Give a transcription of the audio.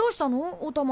おたま。